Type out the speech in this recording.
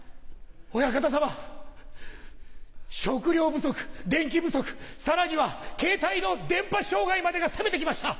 お屋形さま食料不足電気不足さらにはケータイの電波障害までが攻めて来ました。